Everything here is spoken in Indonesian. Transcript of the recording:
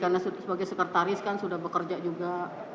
karena sebagai sekretaris kan sudah bekerja juga